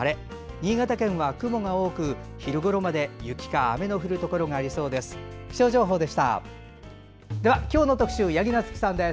新潟県は雲が多く昼ごろまで雪か雨の降るところがありそうです。